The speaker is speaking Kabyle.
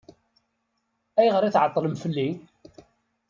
Ayɣer i tɛeṭṭleḍ fell-i?